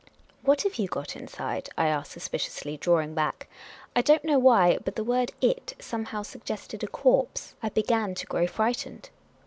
"What have you got inside?" I asked, suspiciously, drawing back. I don't know why, but the word " it " some how siiggested a corpse ; I began to grow frightened.